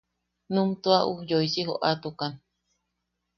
Num tua ujyoisi joʼatukan.